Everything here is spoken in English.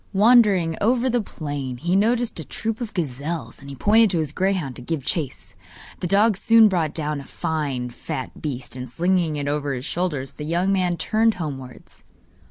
Wandering over the plain, he noticed a troop of gazelles, and pointed to his greyhound to give chase. The dog soon brought down a fine fat beast, and slinging it over his shoulders, the young man turned homewards.